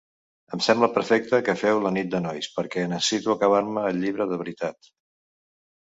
Em sembla perfecte que feu la nit de nois perquè necessito acabar-me el llibre de veritat.